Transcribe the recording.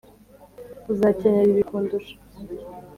uzakenera ibi kundusha.